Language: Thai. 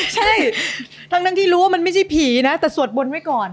ใช่ทั้งที่รู้ว่ามันไม่ใช่ผีนะแต่สวดบนไว้ก่อน